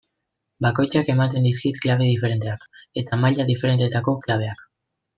Bakoitzak ematen dizkit klabe diferenteak, eta maila diferentetako klabeak.